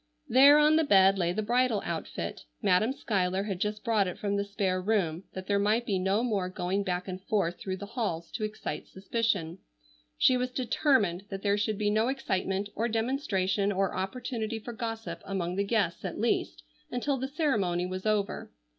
There on the bed lay the bridal outfit. Madam Schuyler had just brought it from the spare room that there might be no more going back and forth through the halls to excite suspicion. She was determined that there should be no excitement or demonstration or opportunity for gossip among the guests at least until the ceremony was over.